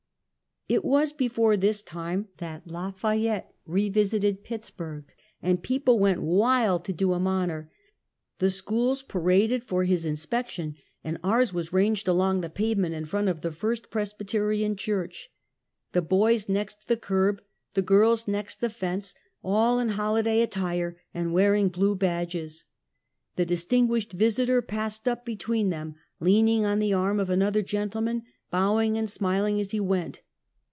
It was before this time that Lafayette revisited Pittsburg, and people went wild to do him honor. The schools paraded for his inspection, and ours was ranged along the pavement in front of the First Pres byterian church, the boys next the curb, the girls next the fence, all in holiday attire, and wearing blue badges. The distinguished visitor passed up between them, leaning on the arm of another gentleman, bow ing and smiling as he went.